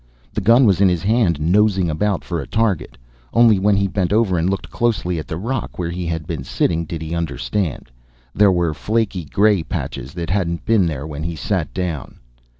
The gun was in his hand, nosing about for a target. Only when he bent over and looked closely at the rock where he had been sitting, did he understand. There were flaky gray patches that hadn't been there when he sat down.